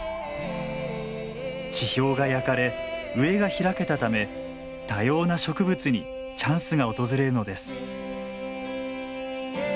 地表が焼かれ上が開けたため多様な植物にチャンスが訪れるのです。